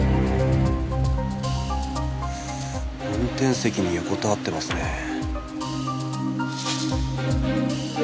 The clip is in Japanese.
運転席に横たわってますね。